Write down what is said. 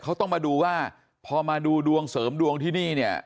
เขาต้องมาดูว่าพอมาดูดวงเสริมดวงที่นี่เนี่ย